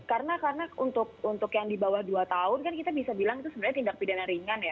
karena karena untuk yang di bawah dua tahun kan kita bisa bilang itu sebenarnya tindak pidana ringan ya